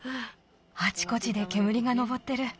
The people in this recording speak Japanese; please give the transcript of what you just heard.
あちこちでけむりが上ってる。